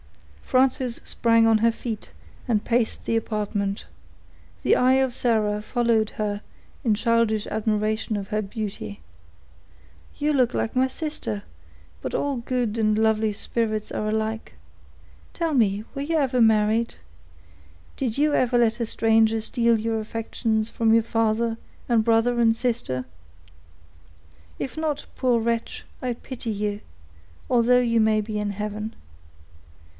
Frances sprang on her feet, and paced the apartment. The eye of Sarah followed her in childish admiration of her beauty. "You look like my sister; but all good and lovely spirits are alike. Tell me, were you ever married? Did you ever let a stranger steal your affections from father, and brother, and sister? If not, poor wretch, I pity you, although you may be in heaven."